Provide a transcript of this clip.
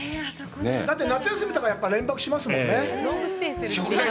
だって夏休みとかは連泊しますよね。